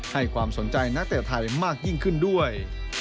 ให้ความสนใจนักเตะไทยมากยิ่งขึ้นด้วย